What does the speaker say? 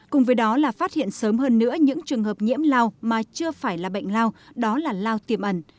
cùng với đó là phát hiện sớm hơn nữa những trường hợp nhiễm lao mà chưa phải là bệnh lao đó là lao tiềm ẩn